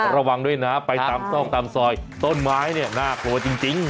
ระวังด้วยนะไปตามซอกตามซอยต้นไม้เนี่ยน่ากลัวจริง